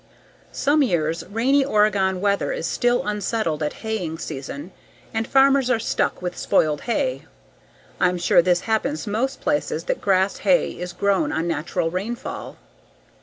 Some years, rainy Oregon weather is still unsettled at haying season and farmers are stuck with spoiled hay. I'm sure this happens most places that grass hay is grown on natural rainfall.